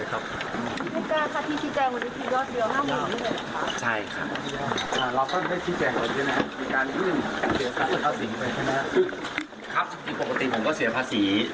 ปกติผมก็เสียภาษี